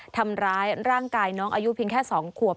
ทำร้ายร่างกายน้องอายุเพียงแค่๒ขวบ